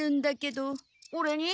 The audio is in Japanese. オレに？